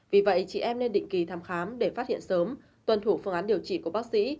vì vậy chị em nên định kỳ thăm khám để phát hiện sớm tuân thủ phương án điều trị của bác sĩ